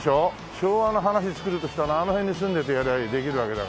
昭和の話作るとしたらあの辺に住んでてやりゃできるわけだから。